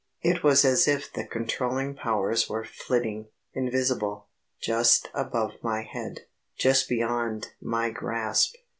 It was as if the controlling powers were flitting, invisible, just above my head, just beyond my grasp.